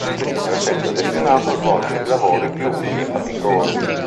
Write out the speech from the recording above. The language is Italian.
Era sempre destinato a svolgere i lavori più umili e faticosi.